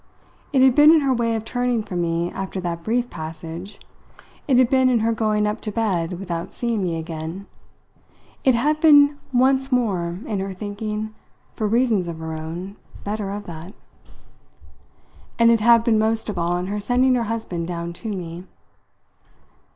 It had been in her way of turning from me after that brief passage; it had been in her going up to bed without seeing me again; it had been once more in her thinking, for reasons of her own, better of that; and it had been most of all in her sending her husband down to me.